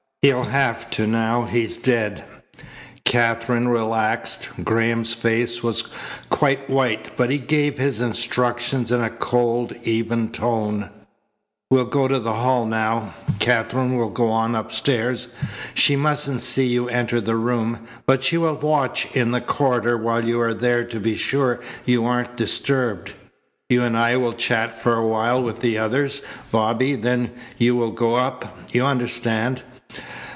He'll have to now he's dead." Katherine relaxed. Graham's face was quite white, but he gave his instructions in a cold, even tone: "We'll go to the hall now. Katherine will go on upstairs. She mustn't see you enter the room, but she will watch in the corridor while you are there to be sure you aren't disturbed. You and I will chat for awhile with the others, Bobby, then you will go up. You understand?